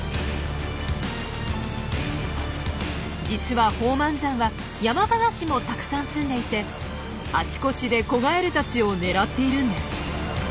実は宝満山はヤマカガシもたくさんすんでいてあちこちで子ガエルたちを狙っているんです。